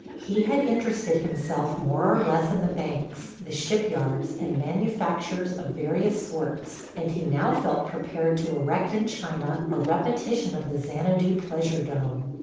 He had interested himself more or less in the banks, the shipyards and manufactures of various sorts, and he now felt prepared to erect in China a repetition of the Xanadu pleasure dome.